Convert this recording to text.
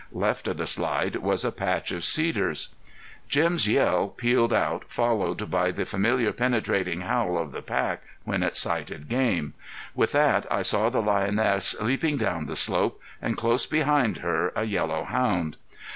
Left of the slide was a patch of cedars. Jim's yell pealed out, followed by the familiar penetrating howl of the pack when it sighted game. With that I saw the lioness leaping down the slope and close behind her a yellow hound.